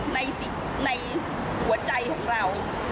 ในหัวใจของเรา